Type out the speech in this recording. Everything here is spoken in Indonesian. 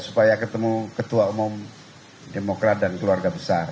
supaya ketemu ketua umum demokrat dan keluarga besar